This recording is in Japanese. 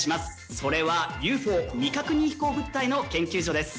それはＵＦＯ未確認飛行物体の研究所です